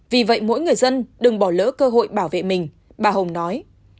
vì vậy mỗi người dân đừng bỏ lỡ cơ hội bảo vệ mình bà hồng nói